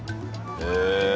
へえ。